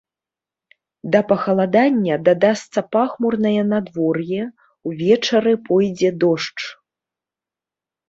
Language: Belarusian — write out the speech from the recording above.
Да пахаладання дадасца пахмурнае надвор'е, увечары пойдзе дождж.